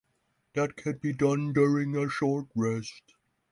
That can be done during a short rest.